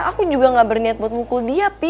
aku juga enggak berniat buat mukul dia pi